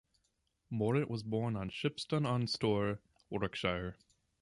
Morant was born in Shipston-on-Stour, Warwickshire.